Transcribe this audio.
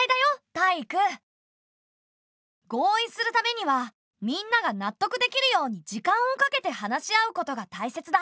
タイイク。合意するためにはみんなが納得できるように時間をかけて話し合うことがたいせつだ。